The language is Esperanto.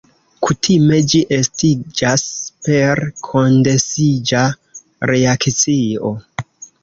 Kutime ĝi estiĝas per kondensiĝa reakcio.